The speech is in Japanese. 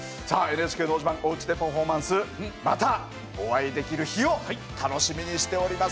「ＮＨＫのど自慢おうちでパフォーマンス」またお会いできる日を楽しみにしております。